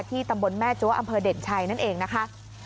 ตำบลแม่จัวอำเภอเด่นชัยนั่นเองนะคะ